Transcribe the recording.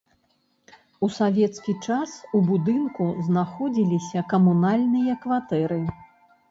У савецкі час у будынку знаходзіліся камунальныя кватэры.